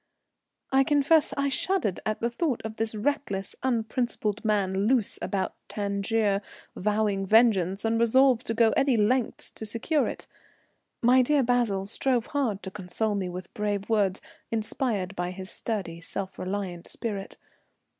I confess I shuddered at the thought of this reckless, unprincipled man loose about Tangier, vowing vengeance, and resolved to go to any lengths to secure it. My dear Basil strove hard to console me with brave words inspired by his sturdy, self reliant spirit.